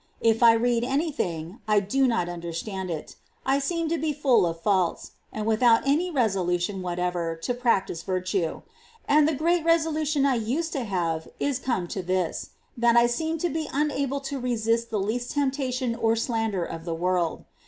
If I read any thing, I do not understand it; I seem to be full of faults, and without any resolution whatever to practise virtue ; and the great resolution I used to have is come to this, that I seem to be unable to resist the least temptation or slander of the world.